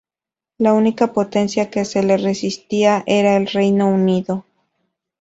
La única potencia que se le resistía era el Reino Unido.